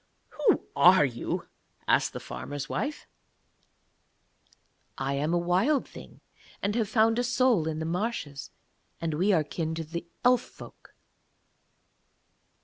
'Who are you?' asked the farmer's wife. 'I am a Wild Thing, and have found a soul in the marshes, and we are kin to the Elf folk.'